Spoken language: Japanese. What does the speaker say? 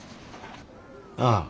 ああ。